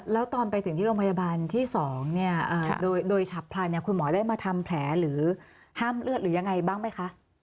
แล้วตอนไปถึงที่โรงพยาบาลที่๒โดยฉับพลันคุณหมอได้มาทำแผลหรือห้ามเลือดหรือยังไงบ้างไหมคะ